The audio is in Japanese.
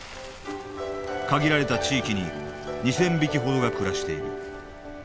限られた地域に２０００匹ほどが暮らしている。